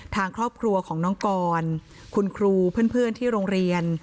ทางครอบครัวของน้องกรคุณครูเพื่อนที่โรงเรียน